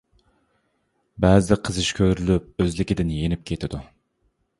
بەزىدە قىزىش كۆرۈلۈپ ئۆزلۈكىدىن يېنىپ كېتىدۇ.